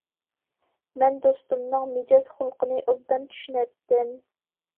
مەن دوستۇمنىڭ مىجەز- خۇلقىنى ئوبدان چۈشىنەتتىم.